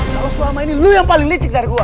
kalau selama ini lu yang paling licik dari gua